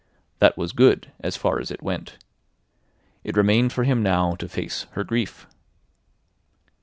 That was good as far as it went. It remained for him now to face her grief.